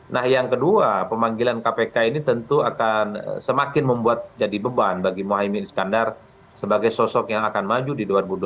nah yang kedua pemanggilan kpk ini tentu akan semakin membuat jadi beban bagi mohaimin iskandar sebagai sosok yang akan maju di dua ribu dua puluh empat